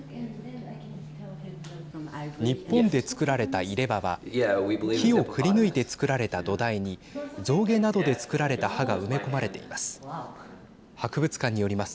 日本で作られた入れ歯は木をくり抜いて作られた土台に象牙などで作られた歯が埋め込まれています。